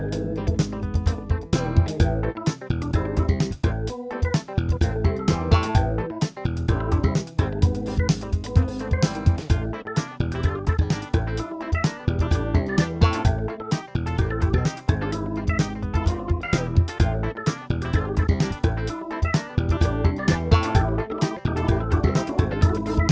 คนที่รูป